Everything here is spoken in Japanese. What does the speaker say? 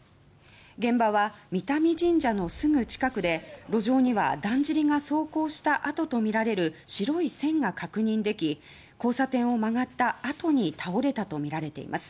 現場は美多彌神社のすぐ近くで路上にはだんじりが走行した後とみられる白い線が確認でき交差点を曲がった後に倒れたとみられています。